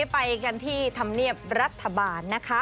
ไปกันที่ธรรมเนียบรัฐบาลนะคะ